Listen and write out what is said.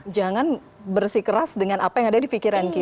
jangan bersikeras dengan apa yang ada di pikiran kita